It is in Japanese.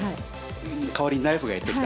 代わりにナイフがやって来た？